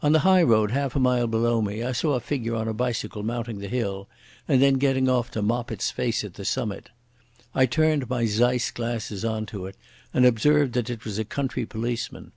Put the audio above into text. On the highroad half a mile below me, I saw a figure on a bicycle mounting the hill, and then getting off to mop its face at the summit. I turned my Zeiss glasses on to it, and observed that it was a country policeman.